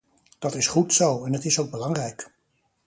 Dat is goed zo, en het is ook belangrijk.